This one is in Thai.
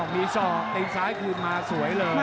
มีซ่อติดซ้ายคืนมาสวยเลย